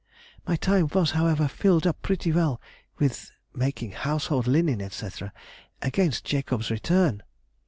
"My time was, however, filled up pretty well with making household linen, &c., against Jacob's return....